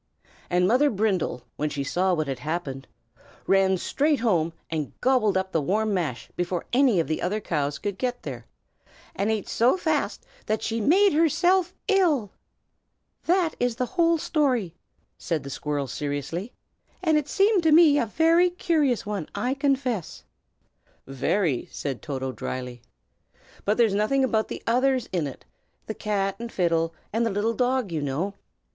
And Mother Brindle, when she saw what had happened, ran straight home and gobbled up the warm mash before any of the other cows could get there, and ate so fast that she made herself ill. "That is the whole story," said the squirrel, seriously; "and it seemed to me a very curious one, I confess." "Very!" said Toto, dryly. "But there's nothing about the others in it, the cat and fiddle, and the little dog, you know."